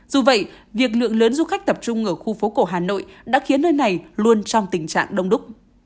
dù vậy việc lượng lớn du khách tập trung ở khu phố cổ hà nội đã khiến nơi này luôn trong tình trạng đông đúc